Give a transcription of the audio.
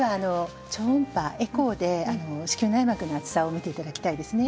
超音波、エコーで子宮内膜の厚さを見ていただきたいですね。